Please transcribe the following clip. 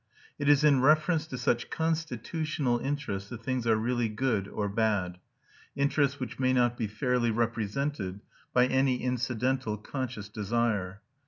It is in reference to such constitutional interests that things are "really" good or bad; interests which may not be fairly represented by any incidental conscious desire.